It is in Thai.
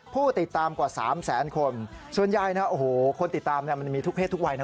ผู้ติดตามกว่า๓แสนคนส่วนใหญ่นะโอ้โหคนติดตามมันมีทุกเพศทุกวัยนะ